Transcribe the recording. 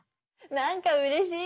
なんかうれしい。